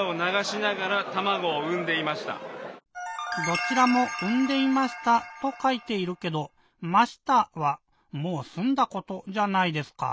どちらも「うんでいました」とかいているけど「ました」はもうすんだことじゃないですか？